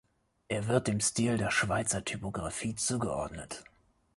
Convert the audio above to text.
Er wird dem Stil der Schweizer Typografie zugeordnet.